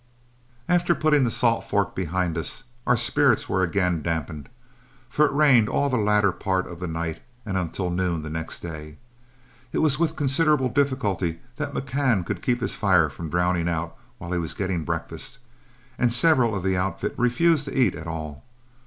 After putting the Salt Fork behind us, our spirits were again dampened, for it rained all the latter part of the night and until noon the next day. It was with considerable difficulty that McCann could keep his fire from drowning out while he was getting breakfast, and several of the outfit refused to eat at all.